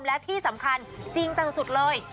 และที่สำคัญจริงจังสุดเลย